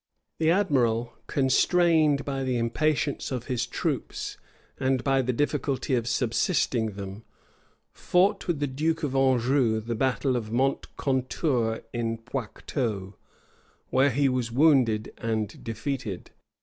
The admiral, constrained by the impatience of his troops, and by the difficulty of subsisting them, fought with the duke of Anjou the battle of Moncontour in Poictou, where he was wounded and defeated.